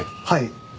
はい。